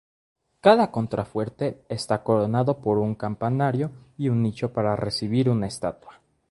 Cada contrafuerte está coronado por un campanario y un nicho para recibir una estatua.